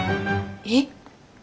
えっ？